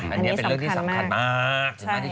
อันนี้เป็นเรื่องที่สำคัญมาก